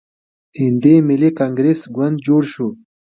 هندي ملي کانګریس ګوند جوړ شو.